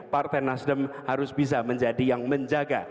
partai nasdem harus bisa menjadi yang menjaga